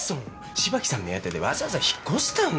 芝木さん目当てでわざわざ引っ越したの。